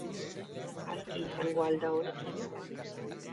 Aski izango al da honekin?